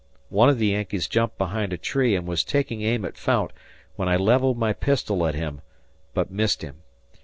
One of the Yankees jumped behind a tree and was taking aim at Fount when I leveled my pistol at him, but missed him.